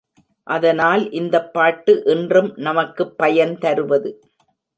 அதனால் இந்தப் பாட்டு இன்றும் நமக்குப் பயன் தருவது.